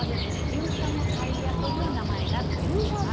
「牛車のタイヤ」という名前が付いています。